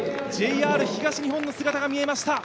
ＪＲ東日本の姿が見えました